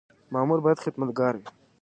مامور باید خدمتګار وي